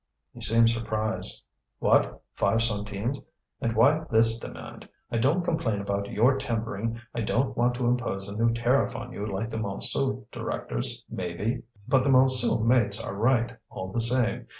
He seemed surprised. "What! five centimes! and why this demand? I don't complain about your timbering, I don't want to impose a new tariff on you like the Montsou directors." "Maybe! but the Montsou mates are right, all the same.